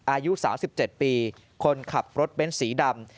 อายุ๓๗ปีคนขับรถเบ้นสีดำ